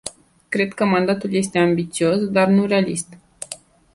Cred că mandatul este ambițios, dar realist.